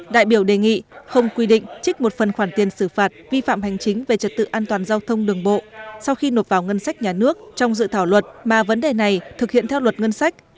đại biểu đề nghị không quy định trích một phần khoản tiền xử phạt vi phạm hành chính về trật tự an toàn giao thông đường bộ sau khi nộp vào ngân sách nhà nước trong dự thảo luật mà vấn đề này thực hiện theo luật ngân sách